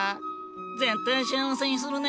絶対幸せにするね。